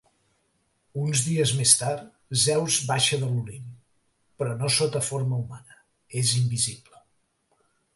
Uns dies més tard, Zeus baixa de l'Olimp, però no sota forma humana: és invisible.